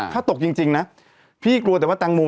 ถ้าตกจริงนะพี่กลัวแต่ว่าแตงโม